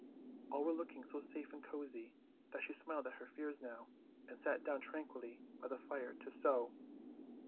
All were looking so safe and cosy that she smiled at her fears now and sat down tranquilly by the fire to sew.